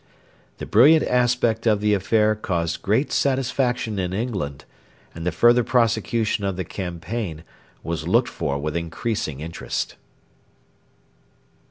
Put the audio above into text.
The brilliant aspect of the affair caused great satisfaction in England, and the further prosecution of the campaign was looked for with increasing interest.